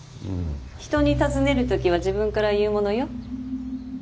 人に尋ねる時は自分から言うものよ。